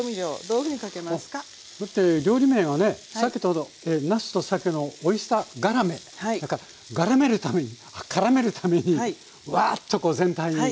だって料理名がねさけとなすとさけのオイスターがらめだからがらめるためにからめるためにワーッとこう全体に。